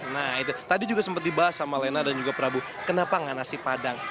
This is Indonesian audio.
nah itu tadi juga sempat dibahas sama lena dan juga prabu kenapa gak nasi padang